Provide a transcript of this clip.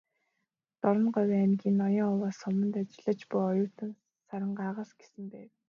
"Дорноговь аймгийн Ноён-Овоо суманд ажиллаж буй оюутан Сарангаа"с гэсэн байв.